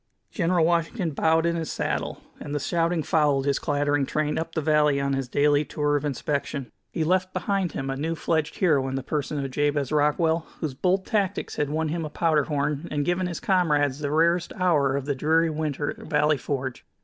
'" General Washington bowed in his saddle, and the shouting followed his clattering train up the valley on his daily tour of inspection. He left behind him a new fledged hero in the person of Jabez Rockwell, whose bold tactics had won him a powder horn and given his comrades the rarest hour of the dreary winter at Valley Forge.